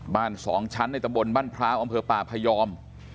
บ้านสองชั้นในตะบนบ้านพร้าวอำเภอป่าพยอม